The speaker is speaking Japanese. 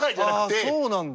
ああそうなんだ。